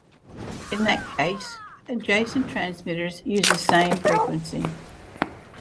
In that case, adjacent transmitters use the same frequency.